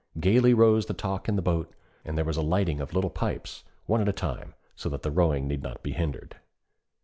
Gayly rose the talk in the boat, and there was a lighting of little pipes, one at a time, so that the rowing need not be hindered.